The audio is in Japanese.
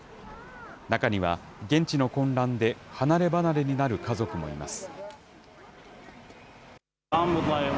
中には、現地の混乱で離れ離れになる家族もいます。